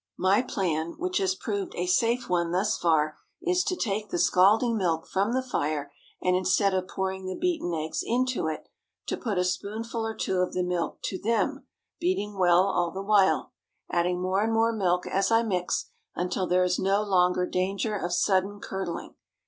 My plan, which has proved a safe one thus far, is to take the scalding milk from the fire, and instead of pouring the beaten eggs into it, to put a spoonful or two of the milk to them, beating well all the while, adding more and more milk as I mix, until there is no longer danger of sudden curdling.